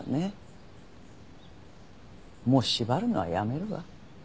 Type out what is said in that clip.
もう縛るのはやめるわ。